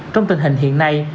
trong tình hình hiện nay